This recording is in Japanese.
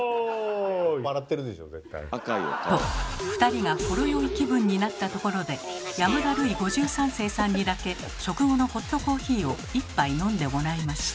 と２人がほろ酔い気分になったところで山田ルイ５３世さんにだけ食後のホットコーヒーを１杯飲んでもらいました。